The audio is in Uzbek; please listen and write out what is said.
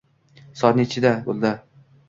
Soat necha bo`ldi